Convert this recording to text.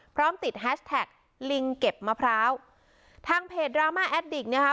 พร้อมติดแฮชแท็กลิงเก็บมะพร้าวทางเพจดราม่าแอดดิกเนี่ยค่ะ